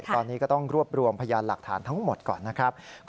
ตอนนี้ก็ต้องรวบรวมพยานหลักฐานทั้งหมดก่อนนะครับ